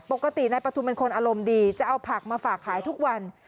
ปกตินายปฐุมเป็นคนอารมณ์ดีจะเอาผักมาฝากขายทุกวัน